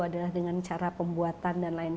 adalah dengan cara pembuatan dan lain